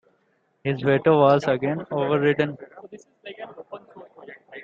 His veto was again overridden.